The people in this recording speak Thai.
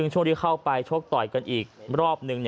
ช่วงที่เข้าไปชกต่อยกันอีกรอบหนึ่ง